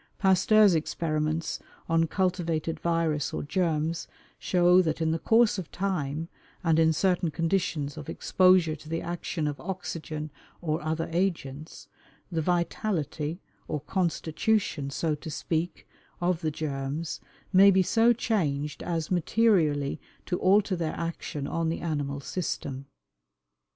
Pasteur's experiments on cultivated virus or germs show that in the course of time, and in certain conditions of exposure to the action of oxygen or other agents, the vitality, or constitution, so to speak, of the germs may be so changed as materially to alter their action on the animal system.